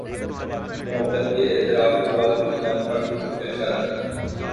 محبت کے اعتراف کے بعد پریانکا کی خفیہ شادی